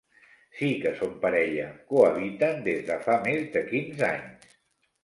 Sí que són parella, cohabiten des de fa més de quinze anys.